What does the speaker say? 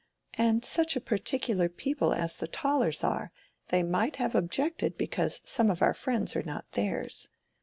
"And such particular people as the Tollers are, they might have objected because some of our friends are not theirs.